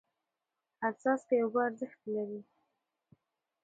هر څاڅکی اوبه ارزښت لري.